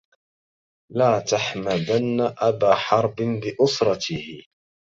لا تحمدن أبا حرب بأسرته